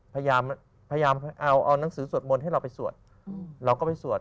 พยายามเอานังสือสวดมนตร์ให้เราไปสวดเราก็ไปสวด